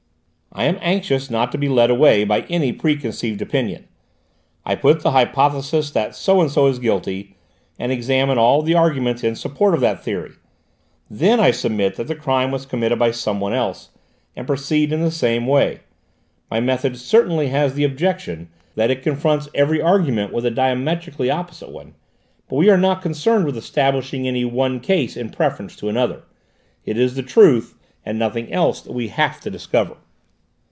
"I am anxious not to be led away by any preconceived opinion. I put the hypothesis that so and so is guilty, and examine all the arguments in support of that theory; then I submit that the crime was committed by somebody else, and proceed in the same way. My method certainly has the objection that it confronts every argument with a diametrically opposite one, but we are not concerned with establishing any one case in preference to another it is the truth, and nothing else, that we have to discover."